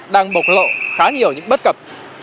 đang bộc lộ khá nhiều những bất cập